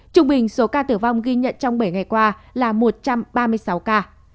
trung bình số ca tử vong ghi nhận trong bảy ngày qua là một trăm ba mươi sáu ca